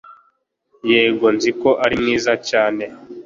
Yego nzi ko ari mwiza cyane